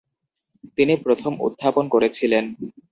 তিনি প্রথম উত্থাপন করেছিলেন।